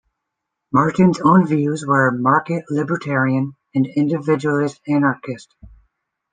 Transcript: Martin's own views were market-libertarian and individualist anarchist.